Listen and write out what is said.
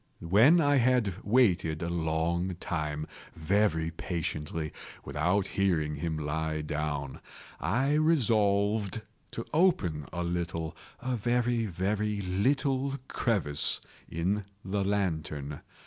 When I had waited a long time, very patiently, without hearing him lie down, I resolved to open a little—a very, very little crevice in the lantern.